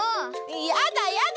やだやだ！